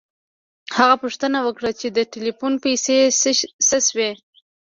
هغه پوښتنه وکړه چې د ټیلیفون پیسې څه شوې